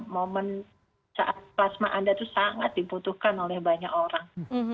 momen saat plasma anda itu sangat dibutuhkan oleh banyak orang